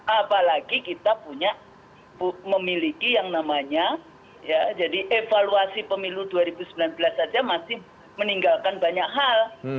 apalagi kita punya memiliki yang namanya jadi evaluasi pemilu dua ribu sembilan belas saja masih meninggalkan banyak hal